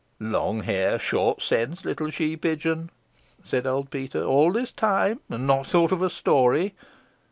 "Long hair, short sense, little she pigeon," said old Peter. "All this time and not thought of a story?